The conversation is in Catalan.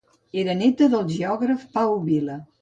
Era néta del geògraf Pau Vila.